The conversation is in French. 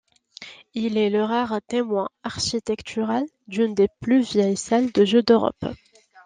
Il est le rare témoin architectural d’une des plus vieilles salles de jeux d’Europe.